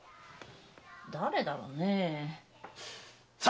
誰だろうねえ。さ！